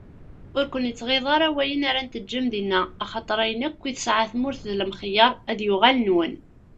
Ur ken-ittɣiḍi ara wayen ara n-teǧǧem dinna, axaṭer ayen akk i tesɛa tmurt d lemxeyyeṛ, ad yuɣal nwen.